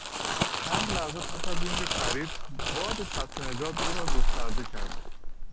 چند لحظه پس از اینکه پرید باد چتر نجات او را گسترده کرد.